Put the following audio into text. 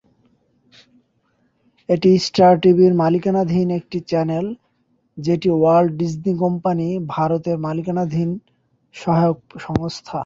এটি স্টার টিভির মালিকানাধীন একটি চ্যানেল, যেটি ওয়াল্ট ডিজনি কোম্পানি ভারত-এর মালিকানাধীন সহায়ক সংস্থা।